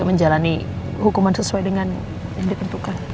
bisa menjalani hukuman sesuai dengan yang dikentukan